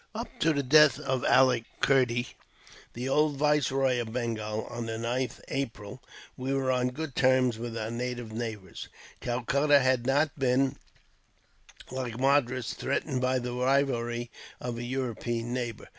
"Up to the death of Ali Kerdy, the old viceroy of Bengal, on the 9th April, we were on good terms with our native neighbours. Calcutta has not been, like Madras, threatened by the rivalry of a European neighbour.